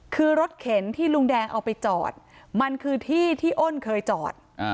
คือรถเข็นที่ลุงแดงเอาไปจอดมันคือที่ที่อ้นเคยจอด